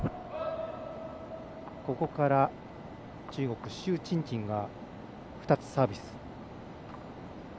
ここから中国朱珍珍が２つサービス。